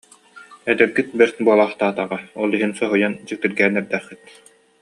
«Эдэргит бэрт буолаахтаатаҕа, ол иһин соһуйан, дьиктиргээн эрдэххит